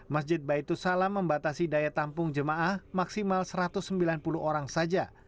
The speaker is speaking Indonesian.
masjid baitul salam membatasi daya tampung jemaah maksimal satu ratus sembilan puluh orang saja